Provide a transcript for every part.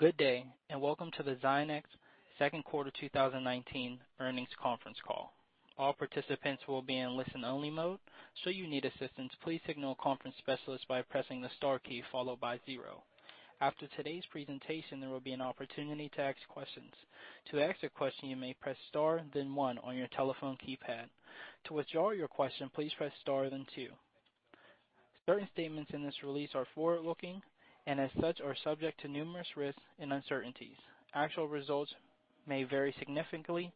Good day, and welcome to the Zynex second quarter 2019 earnings conference call. All participants will be in listen-only mode. Should you need assistance, please signal a conference specialist by pressing the star key followed by zero. After today's presentation, there will be an opportunity to ask questions. To ask a question, you may press star then one on your telephone keypad. To withdraw your question, please press star, then two. Certain statements in this release are forward-looking, and as such, are subject to numerous risks and uncertainties. Actual results may vary significantly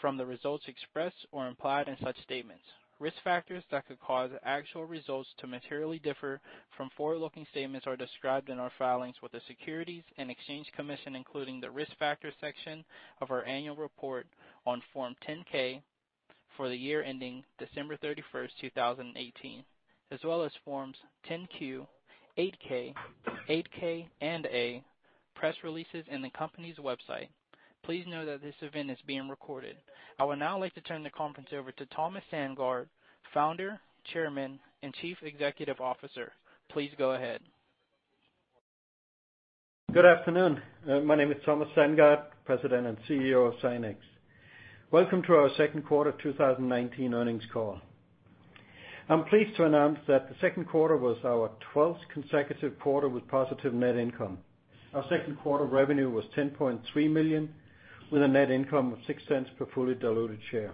from the results expressed or implied in such statements. Risk factors that could cause actual results to materially differ from forward-looking statements are described in our filings with the Securities and Exchange Commission, including the Risk Factors section of our annual report on Form 10-K for the year ending December 31st, 2018, as well as Forms 10-Q, 8-K, 8-K/A, press releases in the company's website. Please know that this event is being recorded. I would now like to turn the conference over to Thomas Sandgaard, Founder, Chairman, and Chief Executive Officer. Please go ahead. Good afternoon. My name is Thomas Sandgaard, President and CEO of Zynex. Welcome to our second quarter 2019 earnings call. I'm pleased to announce that the second quarter was our 12th consecutive quarter with positive net income. Our second quarter revenue was $10.3 million, with a net income of $0.06 per fully diluted share.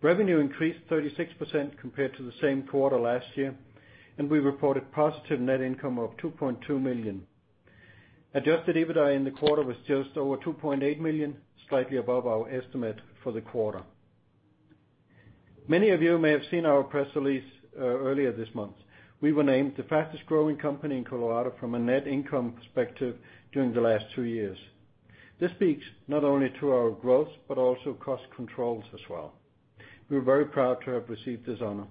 Revenue increased 36% compared to the same quarter last year, and we reported positive net income of $2.2 million. Adjusted EBITDA in the quarter was just over $2.8 million, slightly above our estimate for the quarter. Many of you may have seen our press release earlier this month. We were named the fastest-growing company in Colorado from a net income perspective during the last two years. This speaks not only to our growth, but also cost controls as well. We're very proud to have received this honor.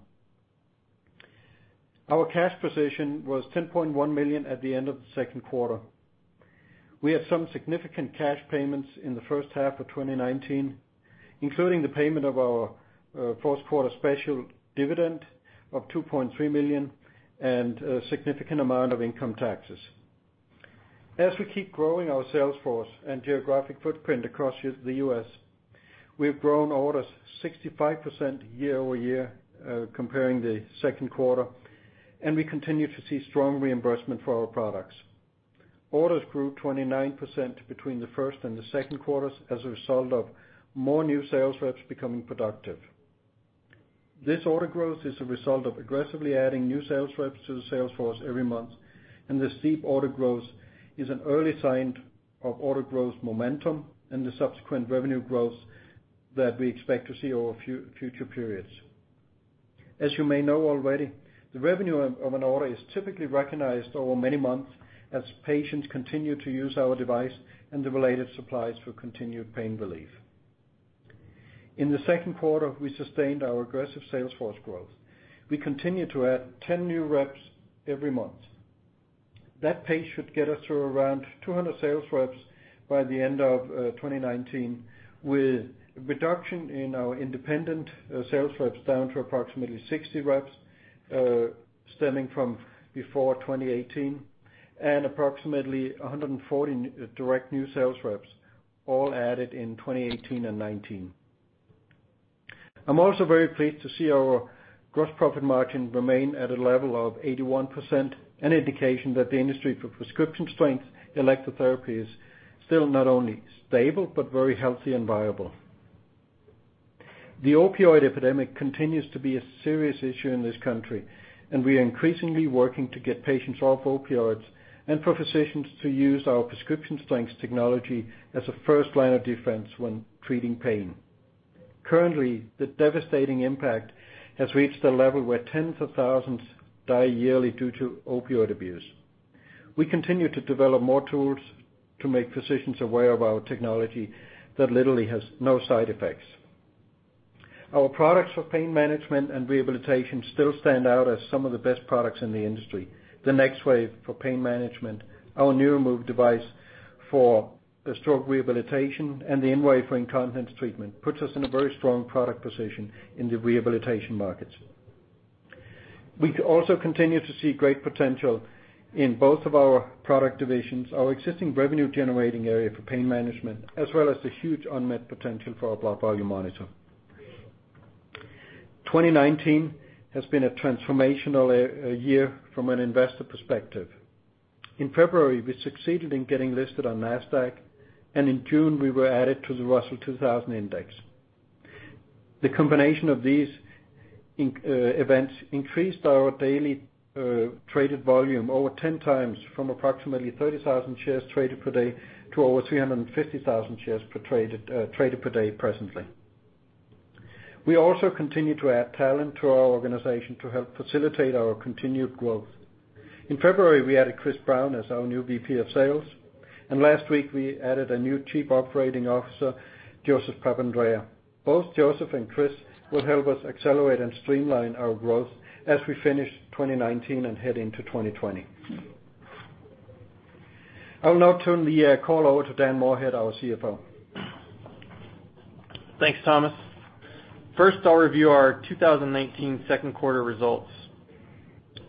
Our cash position was $10.1 million at the end of the second quarter. We had some significant cash payments in the first half of 2019, including the payment of our first quarter special dividend of $2.3 million and a significant amount of income taxes. As we keep growing our sales force and geographic footprint across the U.S., we've grown orders 65% year-over-year, comparing the second quarter, and we continue to see strong reimbursement for our products. Orders grew 29% between the first and the second quarters as a result of more new sales reps becoming productive. This order growth is a result of aggressively adding new sales reps to the sales force every month, and the steep order growth is an early sign of order growth momentum and the subsequent revenue growth that we expect to see over future periods. As you may know already, the revenue of an order is typically recognized over many months as patients continue to use our device and the related supplies for continued pain relief. In the second quarter, we sustained our aggressive sales force growth. We continue to add 10 new reps every month. That pace should get us to around 200 sales reps by the end of 2019, with a reduction in our independent sales reps down to approximately 60 reps, stemming from before 2018, and approximately 140 direct new sales reps, all added in 2018 and 2019. I'm also very pleased to see our gross profit margin remain at a level of 81%, an indication that the industry for prescription strength electrotherapy is still not only stable but very healthy and viable. The opioid epidemic continues to be a serious issue in this country, and we are increasingly working to get patients off opioids and for physicians to use our prescription strength technology as a first line of defense when treating pain. Currently, the devastating impact has reached a level where tens of thousands die yearly due to opioid abuse. We continue to develop more tools to make physicians aware of our technology that literally has no side effects. Our products for pain management and rehabilitation still stand out as some of the best products in the industry. The NexWave for pain management, our NeuroMove device for stroke rehabilitation, and the InWave for incontinence treatment puts us in a very strong product position in the rehabilitation markets. We also continue to see great potential in both of our product divisions, our existing revenue-generating area for pain management, as well as the huge unmet potential for our Blood Volume Monitor. 2019 has been a transformational year from an investor perspective. In February, we succeeded in getting listed on Nasdaq, and in June, we were added to the Russell 2000 Index. The combination of these events increased our daily traded volume over 10 times, from approximately 30,000 shares traded per day to over 350,000 shares traded per day presently. We also continue to add talent to our organization to help facilitate our continued growth. In February, we added Chris Brown as our new VP of Sales, and last week we added a new Chief Operating Officer, Joseph Papandrea. Both Joseph and Chris will help us accelerate and streamline our growth as we finish 2019 and head into 2020. I will now turn the call over to Dan Moorhead, our CFO. Thanks, Thomas. First, I'll review our 2019 second quarter results.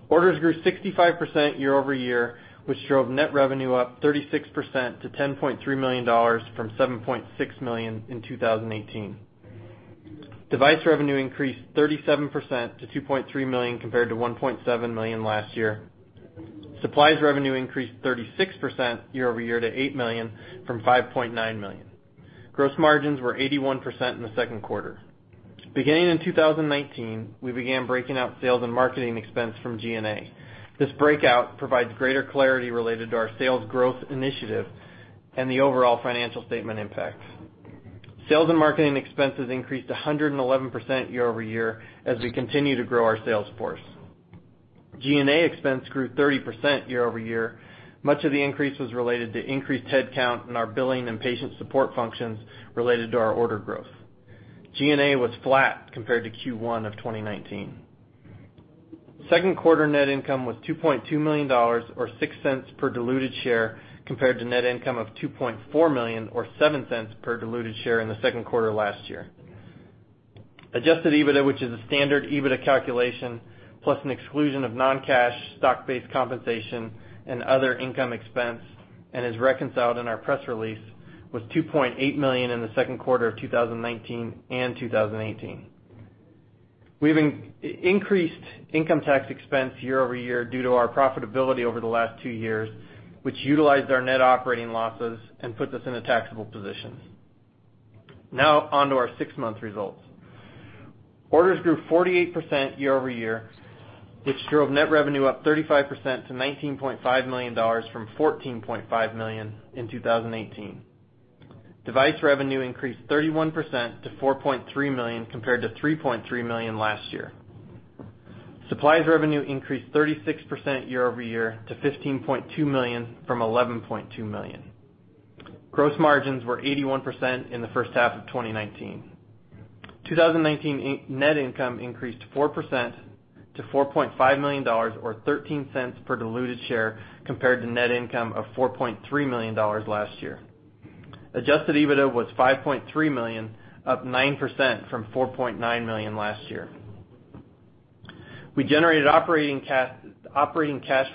Orders grew 65% year-over-year, which drove net revenue up 36% to $10.3 million from $7.6 million in 2018. Device revenue increased 37% to $2.3 million compared to $1.7 million last year. Supplies revenue increased 36% year-over-year to $8 million from $5.9 million. Gross margins were 81% in the second quarter. Beginning in 2019, we began breaking out sales and marketing expense from G&A. This breakout provides greater clarity related to our sales growth initiative and the overall financial statement impacts. Sales and marketing expenses increased 111% year-over-year as we continue to grow our sales force. G&A expense grew 30% year-over-year. Much of the increase was related to increased headcount in our billing and patient support functions related to our order growth. G&A was flat compared to Q1 of 2019. Second quarter net income was $2.2 million or $0.06 per diluted share, compared to net income of $2.4 million or $0.07 per diluted share in the second quarter last year. Adjusted EBITDA, which is a standard EBITDA calculation plus an exclusion of non-cash stock-based compensation and other income expense and is reconciled in our press release, was $2.8 million in the second quarter of 2019 and 2018. We've increased income tax expense year-over-year due to our profitability over the last two years, which utilized our net operating losses and put us in a taxable position. On to our six-month results. Orders grew 48% year-over-year, which drove net revenue up 35% to $19.5 million from $14.5 million in 2018. Device revenue increased 31% to $4.3 million compared to $3.3 million last year. Supplies revenue increased 36% year-over-year to $15.2 million from $11.2 million. Gross margins were 81% in the first half of 2019. 2019 net income increased 4% to $4.5 million or $0.13 per diluted share compared to net income of $4.3 million last year. Adjusted EBITDA was $5.3 million, up 9% from $4.9 million last year. We generated operating cash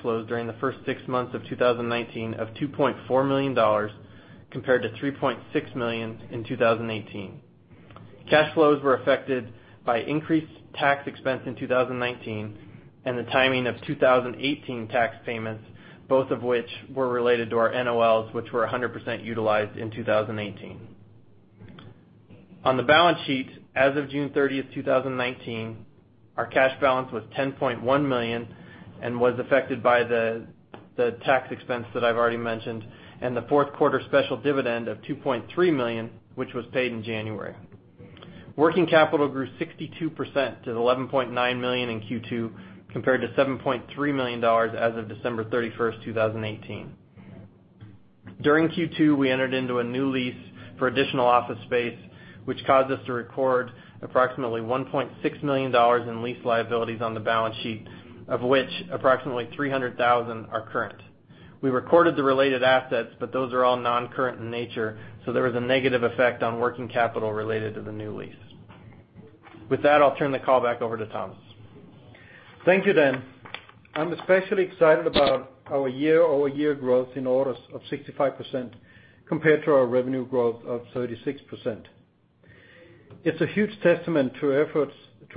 flows during the first six months of 2019 of $2.4 million compared to $3.6 million in 2018. Cash flows were affected by increased tax expense in 2019 and the timing of 2018 tax payments, both of which were related to our NOLs, which were 100% utilized in 2018. On the balance sheet, as of June 30th, 2019, our cash balance was $10.1 million and was affected by the tax expense that I've already mentioned and the fourth quarter special dividend of $2.3 million, which was paid in January. Working capital grew 62% to $11.9 million in Q2 compared to $7.3 million as of December 31st, 2018. During Q2, we entered into a new lease for additional office space, which caused us to record approximately $1.6 million in lease liabilities on the balance sheet, of which approximately $300,000 are current. We recorded the related assets, but those are all non-current in nature, so there was a negative effect on working capital related to the new lease. With that, I'll turn the call back over to Thomas. Thank you, Dan. I'm especially excited about our year-over-year growth in orders of 65% compared to our revenue growth of 36%. It's a huge testament to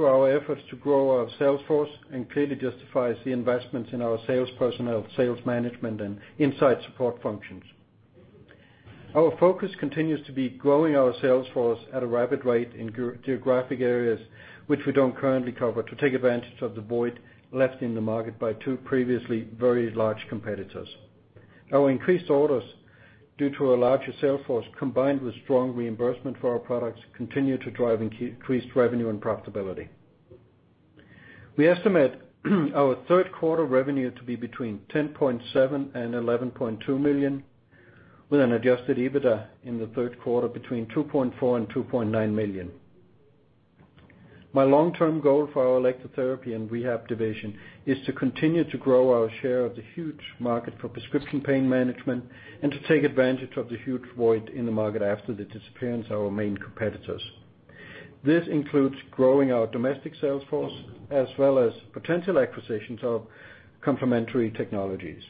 our efforts to grow our sales force and clearly justifies the investments in our sales personnel, sales management, and insight support functions. Our focus continues to be growing our sales force at a rapid rate in geographic areas which we don't currently cover to take advantage of the void left in the market by two previously very large competitors. Our increased orders, due to our larger sales force, combined with strong reimbursement for our products, continue to drive increased revenue and profitability. We estimate our third quarter revenue to be between $10.7 million and $11.2 million with an adjusted EBITDA in the third quarter between $2.4 million and $2.9 million. My long-term goal for our electrotherapy and rehab division is to continue to grow our share of the huge market for prescription pain management and to take advantage of the huge void in the market after the disappearance of our main competitors. This includes growing our domestic sales force as well as potential acquisitions of complementary technologies.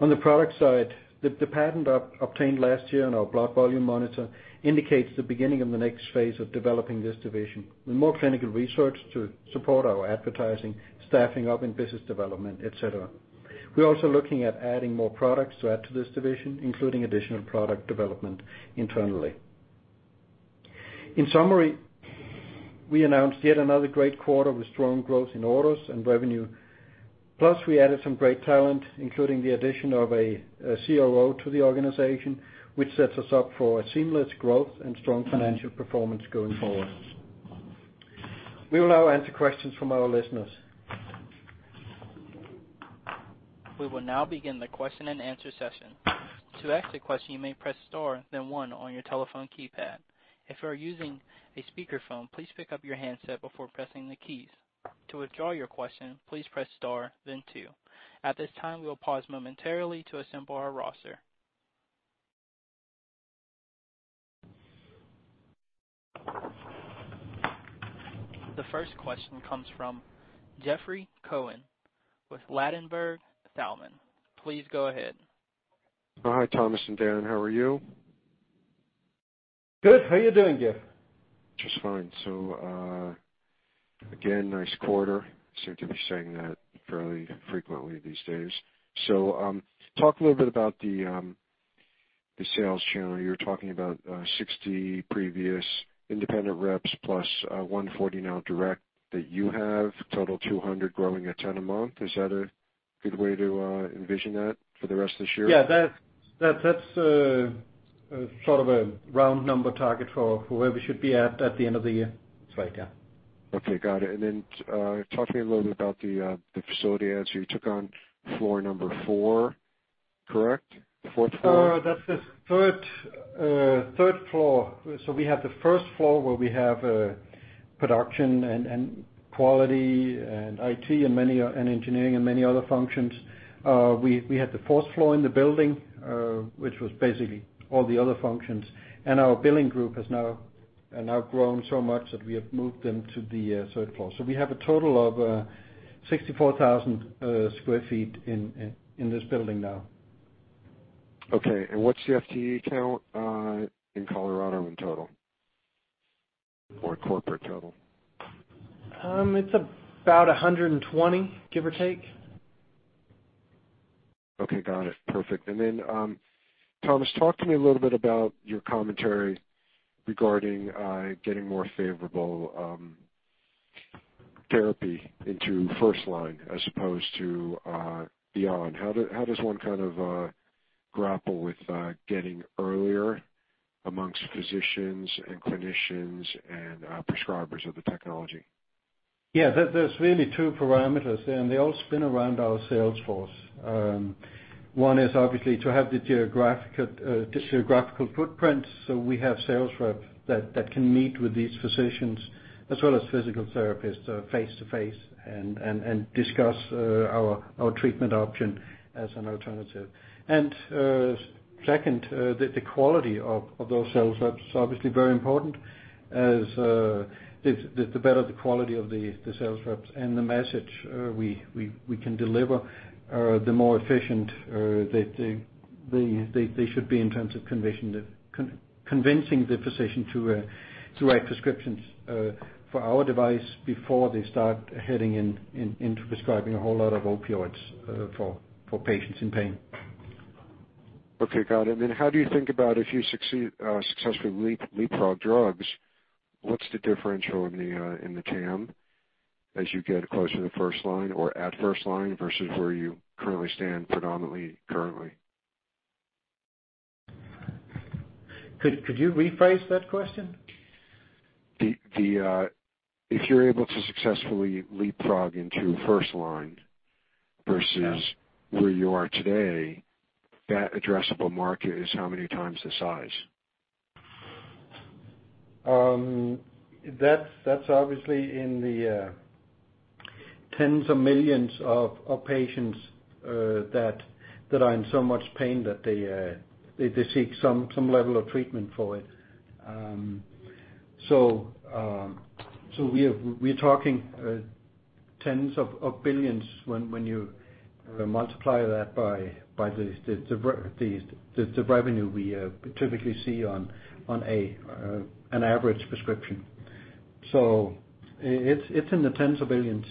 On the product side, the patent obtained last year on our Blood Volume Monitor indicates the beginning of the next phase of developing this division with more clinical research to support our advertising, staffing up in business development. We're also looking at adding more products to add to this division, including additional product development internally. In summary, we announced yet another great quarter with strong growth in orders and revenue. We added some great talent, including the addition of a COO to the organization, which sets us up for a seamless growth and strong financial performance going forward. We will now answer questions from our listeners. We will now begin the question and answer session. To ask a question, you may press star then one on your telephone keypad. If you are using a speakerphone, please pick up your handset before pressing the keys. To withdraw your question, please press star then two. At this time, we will pause momentarily to assemble our roster. The first question comes from Jeffrey Cohen with Ladenburg Thalmann. Please go ahead. Hi, Thomas and Dan. How are you? Good. How are you doing, Jeff? Just fine. Again, nice quarter. Seem to be saying that fairly frequently these days. Talk a little bit about the sales channel. You were talking about 60 previous independent reps plus 140 now direct that you have, total 200 growing at 10 a month. Is that a good way to envision that for the rest of this year? Yeah, that's sort of a round number target for where we should be at the end of the year. That's right, yeah. Okay. Got it. Then, talk to me a little bit about the facility adds. You took on floor number 4, correct? The fourth floor? That's the third floor. We have the first floor where we have production and quality and IT and engineering and many other functions. We had the fourth floor in the building, which was basically all the other functions. Our billing group has now grown so much that we have moved them to the third floor. We have a total of 64,000 sq ft in this building now. Okay. What's the FTE count in Colorado in total or corporate total? It's about 120, give or take. Okay. Got it. Perfect. Thomas, talk to me a little bit about your commentary regarding getting more favorable therapy into first line as opposed to beyond. How does one kind of grapple with getting earlier amongst physicians and clinicians and prescribers of the technology? Yeah. There's really two parameters there, and they all spin around our sales force. One is obviously to have the geographical footprint, so we have sales rep that can meet with these physicians as well as physical therapists face to face and discuss our treatment option as an alternative. Second, the quality of those sales reps is obviously very important as the better the quality of the sales reps and the message we can deliver, the more efficient they should be in terms of convincing the physician to write prescriptions for our device before they start heading into prescribing a whole lot of opioids for patients in pain. Okay. Got it. How do you think about if you successfully leapfrog drugs, what's the differential in the TAM as you get closer to first line or at first line versus where you currently stand predominantly currently? Could you rephrase that question? If you're able to successfully leapfrog into first line versus. Yeah where you are today, that addressable market is how many times the size? That's obviously in the tens of millions of patients that are in so much pain that they seek some level of treatment for it. We are talking $tens of billions when you multiply that by the revenue we typically see on an average prescription. It's in the $tens of billions.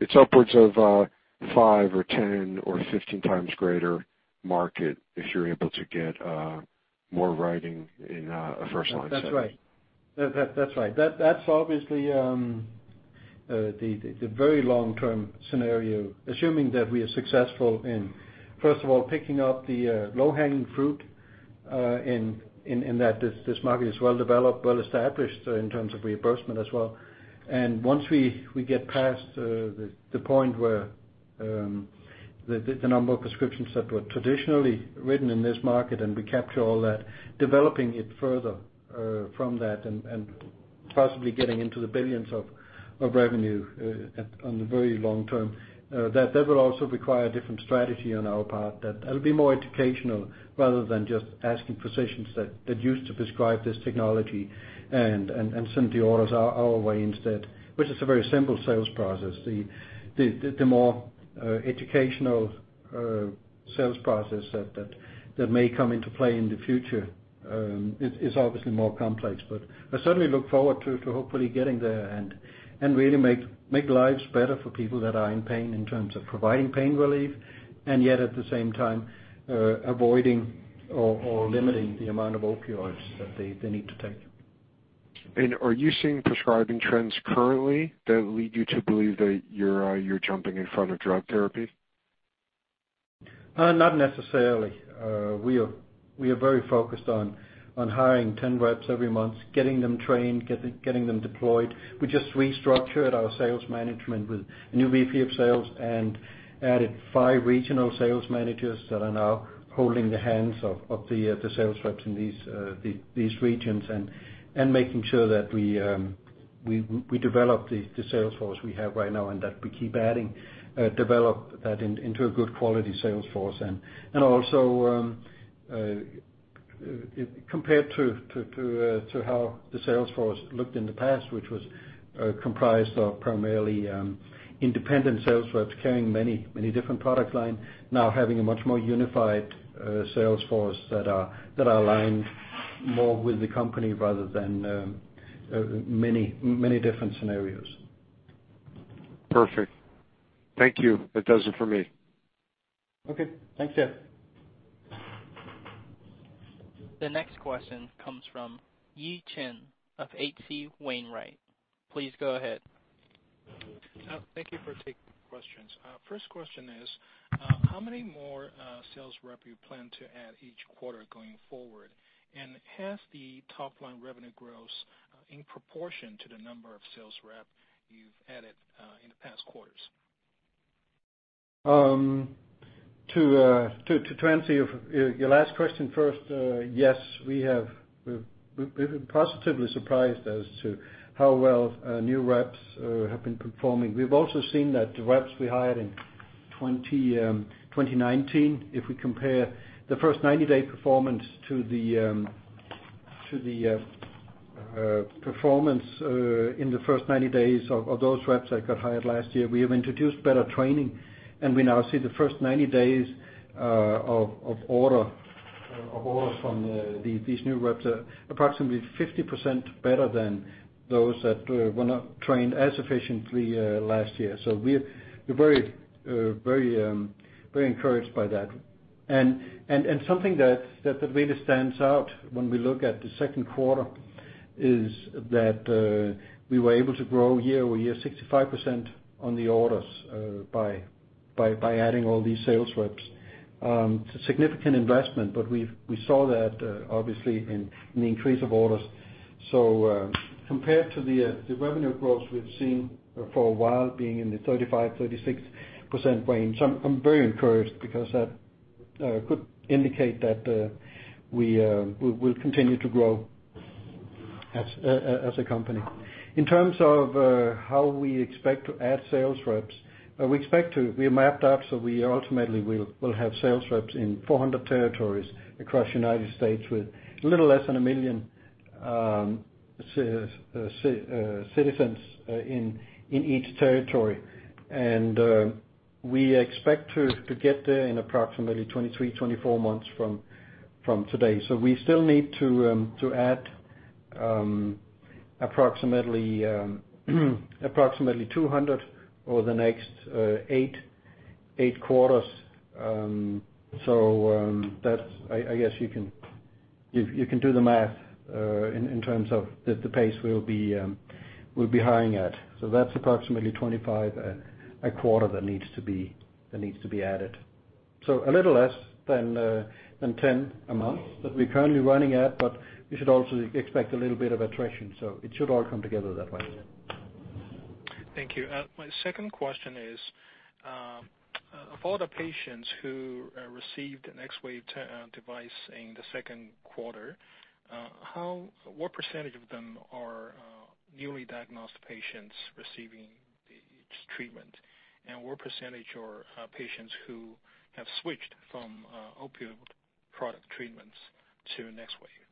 It's upwards of a five or 10 or 15 times greater market if you're able to get more Rxing in a first line setting. That's right. That's obviously the very long-term scenario, assuming that we are successful in, first of all, picking up the low-hanging fruit in that this market is well developed, well established in terms of reimbursement as well. Once we get past the point where the number of prescriptions that were traditionally written in this market and we capture all that, developing it further from that and possibly getting into the $ billions of revenue on the very long term. That will also require a different strategy on our part. That'll be more educational rather than just asking physicians that used to prescribe this technology and send the orders our way instead, which is a very simple sales process. The more educational sales process that may come into play in the future is obviously more complex. I certainly look forward to hopefully getting there and really make lives better for people that are in pain in terms of providing pain relief, and yet at the same time avoiding or limiting the amount of opioids that they need to take. Are you seeing prescribing trends currently that lead you to believe that you're jumping in front of drug therapy? Not necessarily. We are very focused on hiring 10 reps every month, getting them trained, getting them deployed. We just restructured our sales management with a new VP of Sales and added five regional sales managers that are now holding the hands of the sales reps in these regions and making sure that We develop the sales force we have right now, and that we keep adding, develop that into a good quality sales force and also, compared to how the sales force looked in the past, which was comprised of primarily independent sales reps carrying many different product line, now having a much more unified sales force that are aligned more with the company rather than many different scenarios. Perfect. Thank you. That does it for me. Okay. Thanks, Jeff. The next question comes from Yi Chen of H.C. Wainwright & Co. Please go ahead. Thank you for taking questions. First question is, how many more sales rep you plan to add each quarter going forward? Has the top line revenue growth in proportion to the number of sales rep you've added in the past quarters? To answer your last question first. Yes, we've been positively surprised as to how well new reps have been performing. We've also seen that the reps we hired in 2019, if we compare the first 90-day performance to the performance in the first 90 days of those reps that got hired last year, we have introduced better training, and we now see the first 90 days of orders from these new reps are approximately 50% better than those that were not trained as efficiently last year. We're very encouraged by that. Something that really stands out when we look at the second quarter is that we were able to grow year-over-year 65% on the orders by adding all these sales reps. It's a significant investment, but we saw that obviously in the increase of orders. Compared to the revenue growth we've seen for a while being in the 35%-36% range, I'm very encouraged because that could indicate that we'll continue to grow as a company. In terms of how we expect to add sales reps, we mapped out, so we ultimately will have sales reps in 400 territories across U.S. with a little less than a million citizens in each territory. We expect to get there in approximately 23-24 months from today. We still need to add approximately 200 over the next eight quarters. That, I guess, you can do the math in terms of the pace we'll be hiring at. That's approximately 25 a quarter that needs to be added. A little less than 10 a month that we're currently running at, but we should also expect a little bit of attrition, so it should all come together that way. Thank you. My second question is, of all the patients who received a NexWave device in the second quarter, what percentage of them are newly diagnosed patients receiving this treatment? And what percentage are patients who have switched from opioid product treatments to NexWave?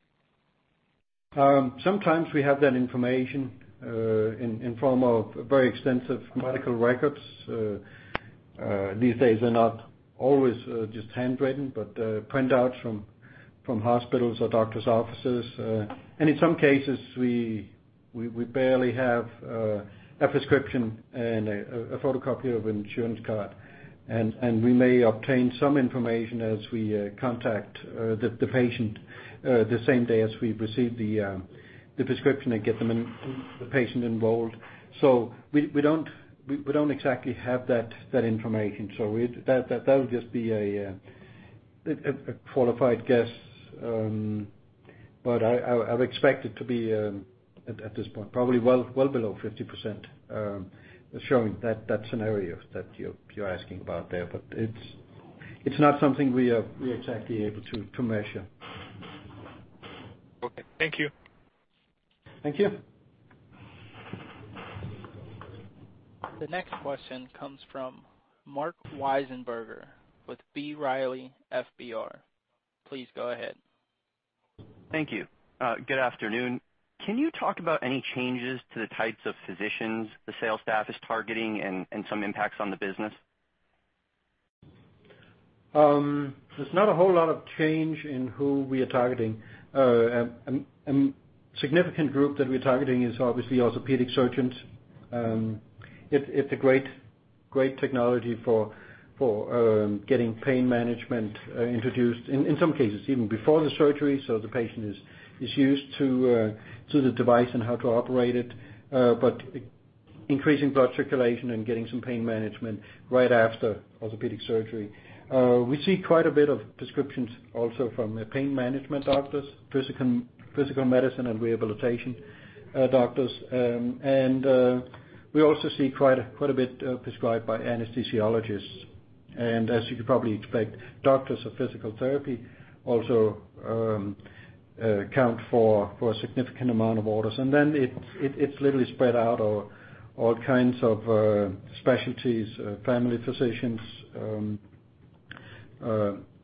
Sometimes we have that information in form of very extensive medical records. These days they're not always just handwritten, but printouts from hospitals or doctor's offices. In some cases, we barely have a prescription and a photocopy of an insurance card. We may obtain some information as we contact the patient the same day as we receive the prescription and get the patient enrolled. We don't exactly have that information. That would just be a qualified guess. I've expected to be, at this point, probably well below 50% showing that scenario that you're asking about there. It's not something we are exactly able to measure. Okay. Thank you. Thank you. The next question comes from Marc Wiesenberger with B. Riley FBR. Please go ahead. Thank you. Good afternoon. Can you talk about any changes to the types of physicians the sales staff is targeting and some impacts on the business? There's not a whole lot of change in who we are targeting. A significant group that we're targeting is obviously orthopedic surgeons. It's a great technology for getting pain management introduced, in some cases, even before the surgery, so the patient is used to the device and how to operate it. Increasing blood circulation and getting some pain management right after orthopedic surgery. We see quite a bit of prescriptions also from pain management doctors, physical medicine and rehabilitation doctors. We also see quite a bit prescribed by anesthesiologists. As you could probably expect, doctors of physical therapy also count for a significant amount of orders. It's literally spread out of all kinds of specialties, family physicians,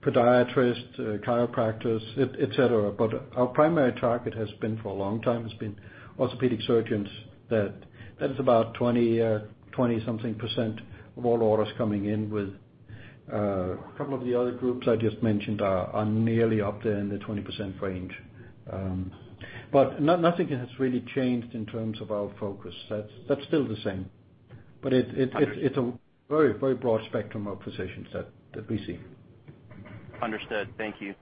podiatrists, chiropractors, et cetera. Our primary target for a long time has been orthopedic surgeons. That is about 20 something % of all orders coming in with a couple of the other groups I just mentioned are nearly up there in the 20% range. Nothing has really changed in terms of our focus. That's still the same. It's a very broad spectrum of physicians that we see. Understood. Thank you.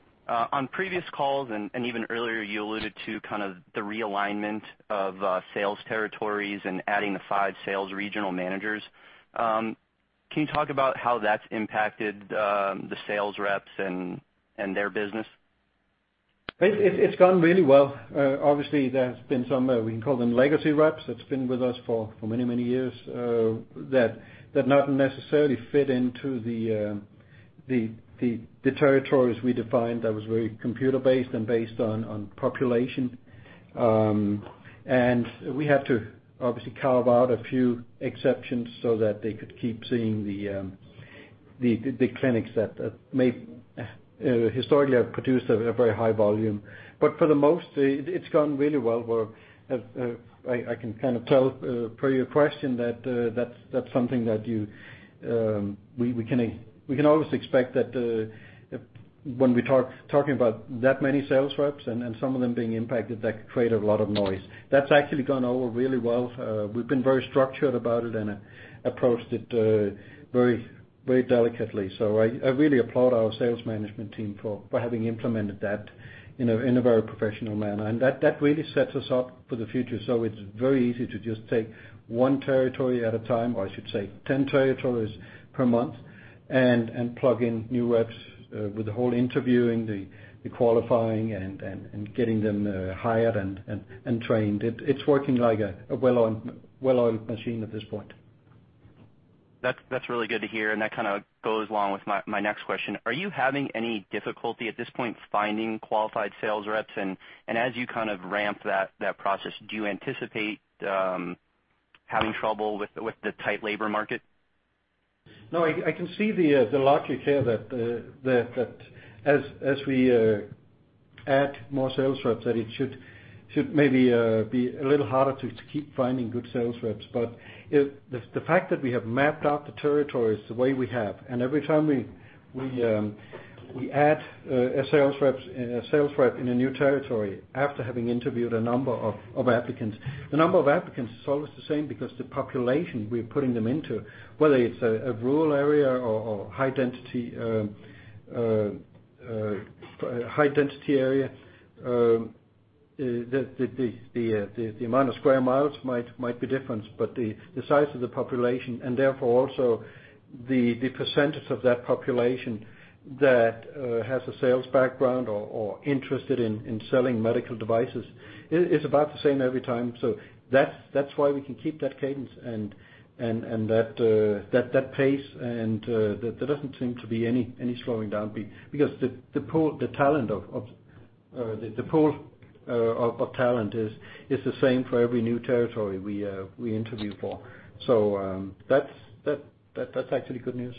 On previous calls and even earlier, you alluded to kind of the realignment of sales territories and adding the five sales regional managers. Can you talk about how that's impacted the sales reps and their business? It's gone really well. Obviously, there has been some, we can call them legacy reps, that's been with us for many years that not necessarily fit into the territories we defined that was very computer-based and based on population. We had to obviously carve out a few exceptions so that they could keep seeing the clinics that historically have produced a very high volume. For the most, it's gone really well, where I can kind of tell per your question that that's something that we can always expect that when we're talking about that many sales reps and some of them being impacted, that could create a lot of noise. That's actually gone over really well. We've been very structured about it and approached it very delicately. I really applaud our sales management team for having implemented that in a very professional manner. That really sets us up for the future. It's very easy to just take one territory at a time, or I should say 10 territories per month, and plug in new reps with the whole interviewing, the qualifying and getting them hired and trained. It's working like a well-oiled machine at this point. That's really good to hear, and that kind of goes along with my next question. Are you having any difficulty at this point finding qualified sales reps? As you kind of ramp that process, do you anticipate having trouble with the tight labor market? No, I can see the logic there that as we add more sales reps, that it should maybe be a little harder to keep finding good sales reps. The fact that we have mapped out the territories the way we have, and every time we add a sales rep in a new territory after having interviewed a number of applicants, the number of applicants is always the same because the population we're putting them into, whether it's a rural area or high density area, the amount of square miles might be different, but the size of the population and therefore also the percentage of that population that has a sales background or interested in selling medical devices is about the same every time. That's why we can keep that cadence and that pace and there doesn't seem to be any slowing down because the pool of talent is the same for every new territory we interview for. That's actually good news.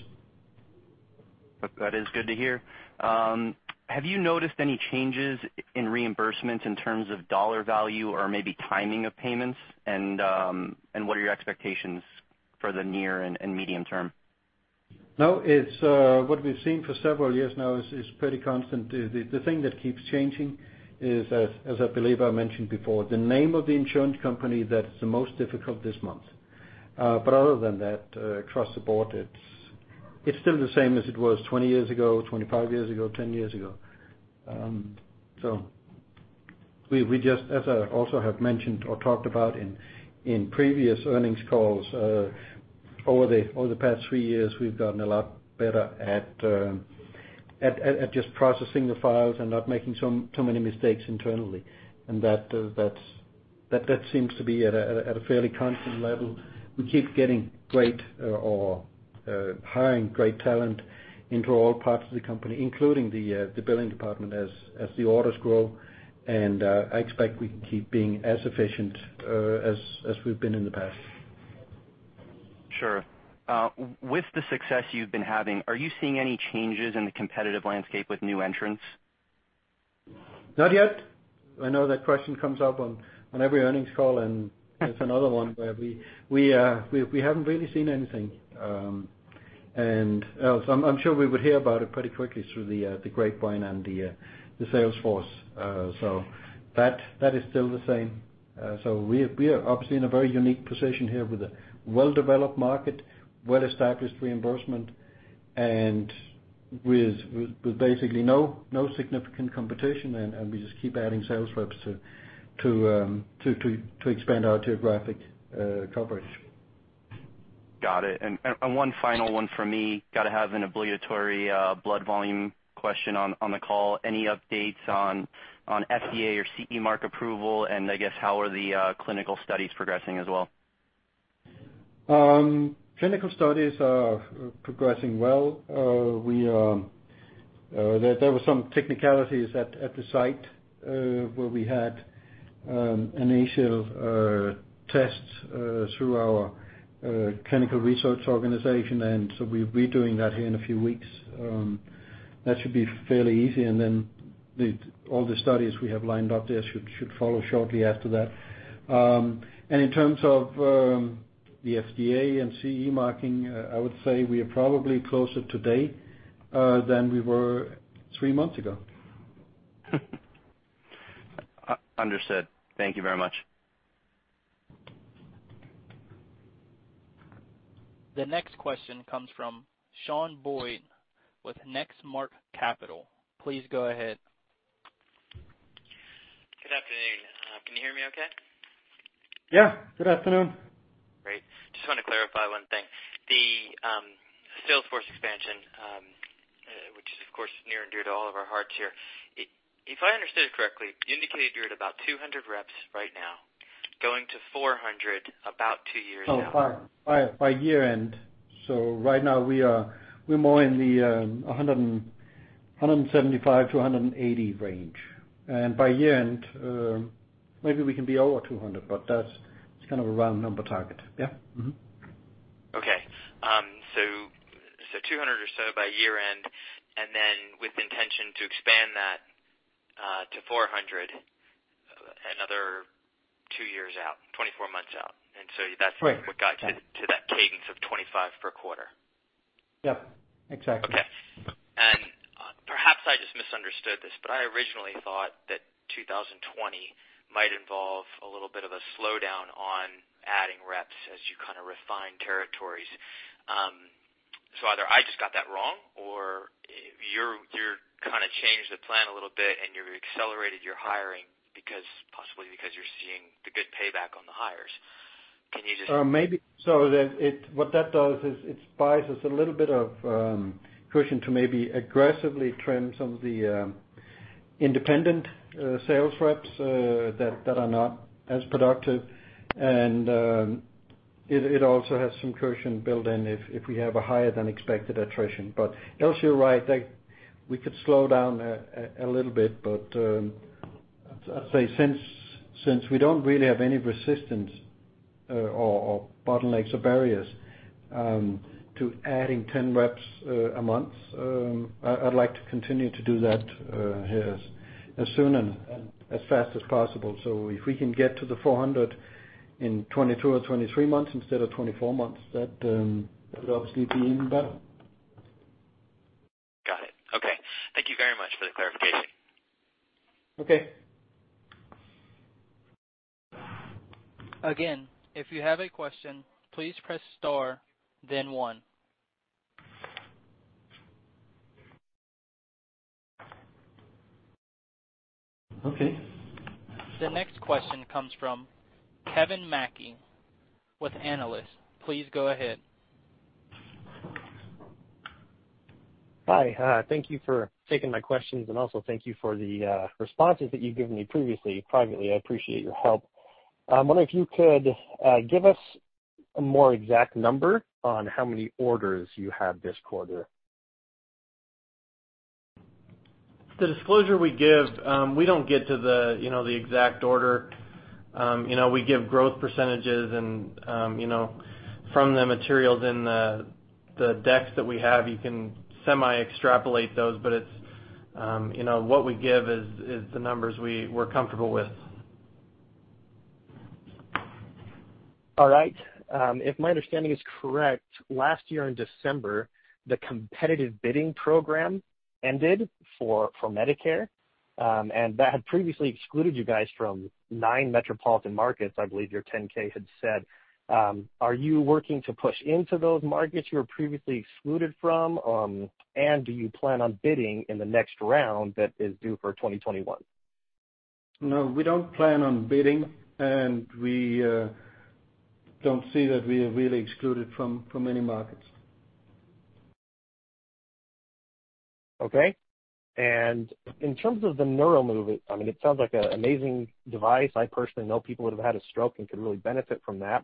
That is good to hear. Have you noticed any changes in reimbursement in terms of dollar value or maybe timing of payments? What are your expectations for the near and medium term? No, what we've seen for several years now is pretty constant. The thing that keeps changing is, as I believe I mentioned before, the name of the insurance company that's the most difficult this month. Other than that, across the board, it's still the same as it was 20 years ago, 25 years ago, 10 years ago. We just, as I also have mentioned or talked about in previous earnings calls, over the past three years, we've gotten a lot better at just processing the files and not making so many mistakes internally. That seems to be at a fairly constant level. We keep getting great or hiring great talent into all parts of the company, including the billing department as the orders grow, and I expect we can keep being as efficient as we've been in the past. Sure. With the success you've been having, are you seeing any changes in the competitive landscape with new entrants? Not yet. I know that question comes up on every earnings call, and it's another one where we haven't really seen anything. I'm sure we would hear about it pretty quickly through the grapevine and the sales force. That is still the same. We are obviously in a very unique position here with a well-developed market, well-established reimbursement, and with basically no significant competition, and we just keep adding sales reps to expand our geographic coverage. Got it. One final one from me, got to have an obligatory blood volume question on the call. Any updates on FDA or CE mark approval, and I guess how are the clinical studies progressing as well? Clinical studies are progressing well. There were some technicalities at the site where we had initial tests through our clinical research organization, we're redoing that here in a few weeks. That should be fairly easy, all the studies we have lined up there should follow shortly after that. In terms of the FDA and CE marking, I would say we are probably closer today than we were three months ago. Understood. Thank you very much. The next question comes from Shawn Boyd with Next Mark Capital. Please go ahead. Good afternoon. Can you hear me okay? Yeah. Good afternoon. Great. Just want to clarify one thing. The sales force expansion, which is, of course, near and dear to all of our hearts here. If I understood correctly, you indicated you're at about 200 reps right now, going to 400 about two years now. By year-end. Right now we're more in the 175 to 180 range. By year-end, maybe we can be over 200, but that's kind of a round number target. Yeah. Mm-hmm. Okay. 200 or so by year-end, and then with intention to expand that to 400 another two years out, 24 months out. Right what got you to that cadence of 25 per quarter? Yeah, exactly. Okay. Perhaps I just misunderstood this, but I originally thought that 2020 might involve a little bit of a slowdown on adding reps as you kind of refine territories. Either I just got that wrong or you've changed the plan a little bit and you've accelerated your hiring possibly because you're seeing the good payback on the hires. Can you just? What that does is it buys us a little bit of cushion to maybe aggressively trim some of the independent sales reps that are not as productive. It also has some cushion built in if we have a higher than expected attrition. Else, you're right, we could slow down a little bit. I'd say since we don't really have any resistance or bottlenecks or barriers to adding 10 reps a month, I'd like to continue to do that as soon and as fast as possible. If we can get to the 400 in 22 or 23 months instead of 24 months, that would obviously be even better. Got it. Okay. Thank you very much for the clarification. Okay. If you have a question, please press star then one. Okay. The next question comes from Kevin Mackie with [Analyst]. Please go ahead. Hi. Thank you for taking my questions, and also thank you for the responses that you've given me previously, privately. I appreciate your help. I wonder if you could give us a more exact number on how many orders you have this quarter. The disclosure we give, we don't get to the exact order. We give growth % and from the materials in the decks that we have, you can semi-extrapolate those. What we give is the numbers we're comfortable with. All right. If my understanding is correct, last year in December, the competitive bidding program ended for Medicare, that had previously excluded you guys from nine metropolitan markets, I believe your 10-K had said. Are you working to push into those markets you were previously excluded from? Do you plan on bidding in the next round that is due for 2021? No, we don't plan on bidding, and we don't see that we are really excluded from any markets. Okay. In terms of the NeuroMove, it sounds like an amazing device. I personally know people that have had a stroke and could really benefit from that.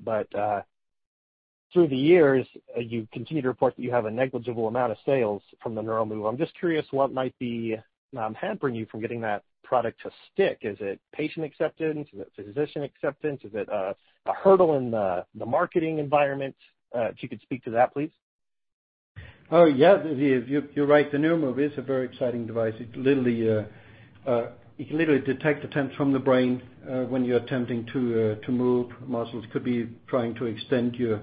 Through the years, you continue to report that you have a negligible amount of sales from the NeuroMove. I'm just curious what might be hampering you from getting that product to stick. Is it patient acceptance? Is it physician acceptance? Is it a hurdle in the marketing environment? If you could speak to that, please. Oh, yeah. You're right. The NeuroMove is a very exciting device. It can literally detect attempts from the brain when you're attempting to move muscles. It could be trying to extend your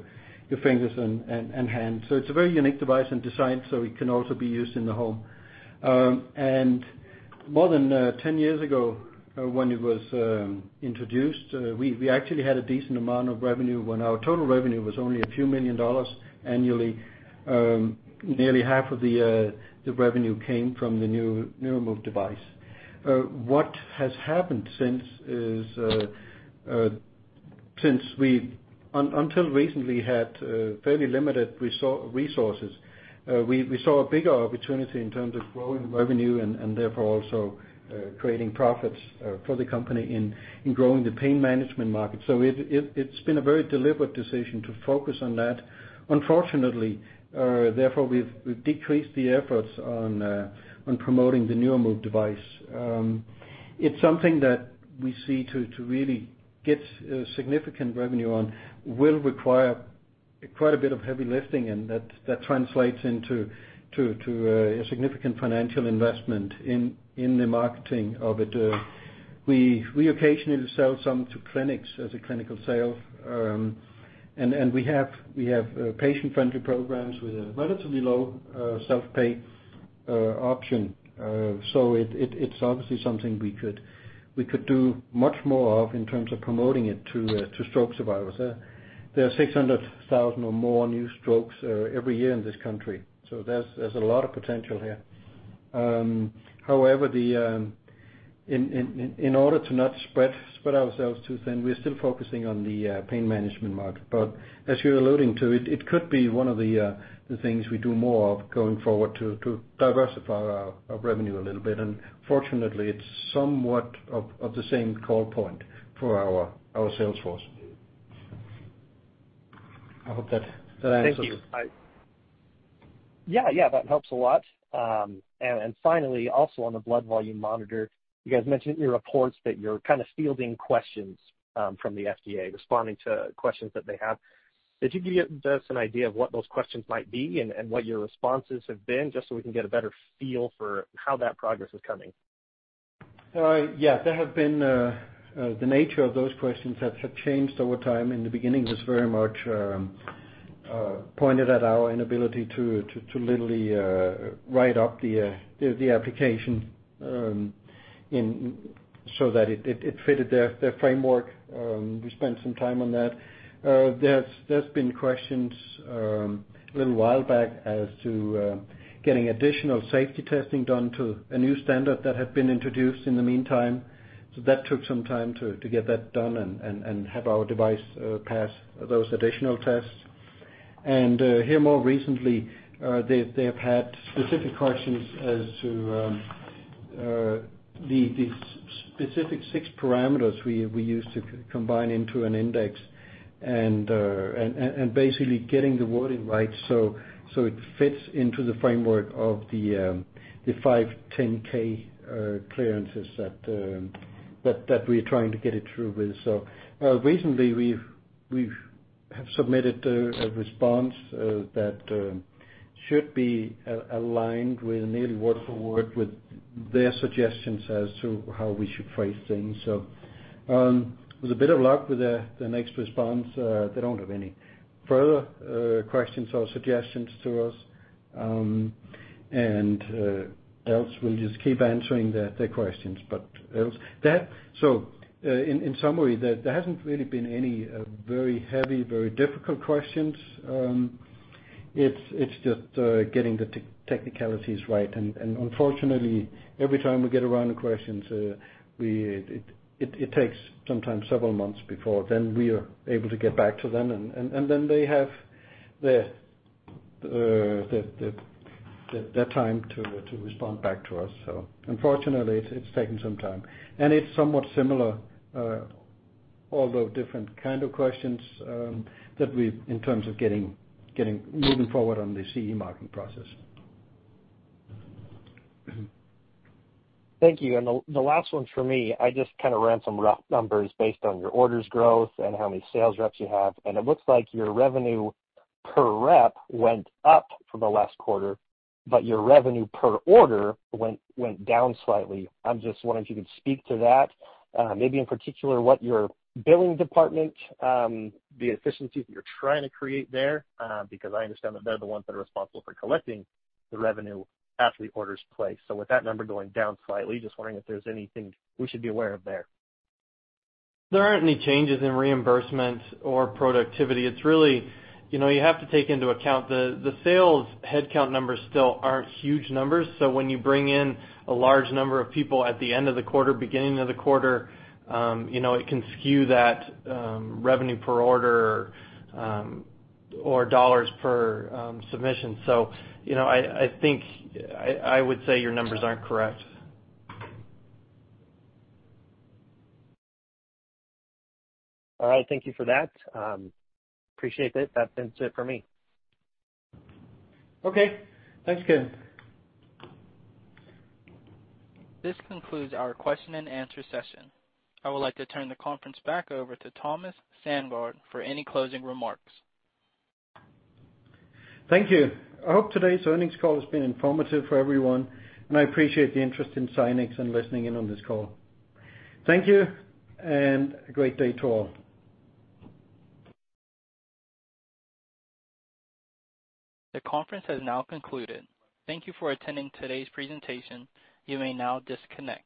fingers and hand. It's a very unique device and design, so it can also be used in the home. More than 10 years ago when it was introduced, we actually had a decent amount of revenue. When our total revenue was only a few million dollars annually, nearly half of the revenue came from the NeuroMove device. What has happened since we, until recently, had fairly limited resources, we saw a bigger opportunity in terms of growing revenue and therefore also creating profits for the company in growing the pain management market. It's been a very deliberate decision to focus on that. Unfortunately, therefore, we've decreased the efforts on promoting the NeuroMove device. It's something that we see to really get significant revenue on will require quite a bit of heavy lifting, and that translates into a significant financial investment in the marketing of it. We occasionally sell some to clinics as a clinical sale, and we have patient-friendly programs with a relatively low self-pay option. It's obviously something we could do much more of in terms of promoting it to stroke survivors. There are 600,000 or more new strokes every year in this country, so there's a lot of potential here. However, in order to not spread ourselves too thin, we're still focusing on the pain management market. As you're alluding to, it could be one of the things we do more of going forward to diversify our revenue a little bit. Fortunately, it's somewhat of the same call point for our sales force. I hope that answers it. Thank you. Yeah. That helps a lot. Finally, also on the Blood Volume Monitor, you guys mentioned in your reports that you're kind of fielding questions from the FDA, responding to questions that they have. Could you give us an idea of what those questions might be and what your responses have been, just so we can get a better feel for how that progress is coming? Yeah. The nature of those questions have changed over time. In the beginning, it was very much pointed at our inability to literally write up the application so that it fitted their framework. We spent some time on that. There's been questions a little while back as to getting additional safety testing done to a new standard that had been introduced in the meantime. That took some time to get that done and have our device pass those additional tests. Here more recently, they have had specific questions as to the specific six parameters we use to combine into an index and basically getting the wording right so it fits into the framework of the 510 clearances that we're trying to get it through with. Recently we have submitted a response that should be aligned nearly word for word with their suggestions as to how we should phrase things. With a bit of luck with the next response, they don't have any further questions or suggestions to us, and else we'll just keep answering their questions. In summary, there hasn't really been any very heavy, very difficult questions. It's just getting the technicalities right. Unfortunately, every time we get around the questions, it takes sometimes several months before then we are able to get back to them, and then they have their time to respond back to us. Unfortunately, it's taking some time, and it's somewhat similar, although different kind of questions in terms of moving forward on the CE marking process. Thank you. The last one for me, I just kind of ran some rough numbers based on your orders growth and how many sales reps you have, and it looks like your revenue per rep went up for the last quarter, but your revenue per order went down slightly. I'm just wondering if you could speak to that, maybe in particular, what your billing department, the efficiencies you're trying to create there, because I understand that they're the ones that are responsible for collecting the revenue after the order's placed. With that number going down slightly, just wondering if there's anything we should be aware of there. There aren't any changes in reimbursement or productivity. It's really, you have to take into account the sales headcount numbers still aren't huge numbers. When you bring in a large number of people at the end of the quarter, beginning of the quarter, it can skew that revenue per order or $ per submission. I think I would say your numbers aren't correct. All right. Thank you for that. Appreciate it. That's been it for me. Okay. Thanks, Kevin. This concludes our question and answer session. I would like to turn the conference back over to Thomas Sandgaard for any closing remarks. Thank you. I hope today's earnings call has been informative for everyone, and I appreciate the interest in Zynex and listening in on this call. Thank you, and have a great day to all. The conference has now concluded. Thank you for attending today's presentation. You may now disconnect.